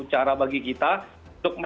cara bagi kita untuk